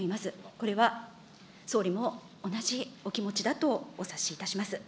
これは総理も同じお気持ちだとお察しいたします。